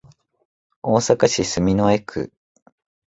大阪市住之江区